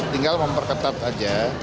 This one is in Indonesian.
tinggal memperketat aja